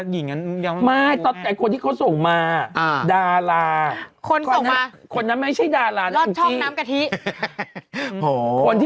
มีอะไรวะโดนัต